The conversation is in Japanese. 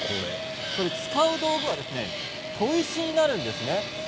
使う道具は砥石になるんです。